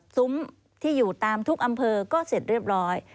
ซุ้มที่อยู่ตามทุกอำเภอก็เสร็จเรียบร้อย